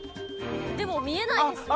でも見えないですよ。